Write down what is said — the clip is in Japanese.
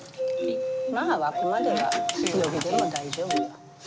まあ沸くまでは強火でも大丈夫よ。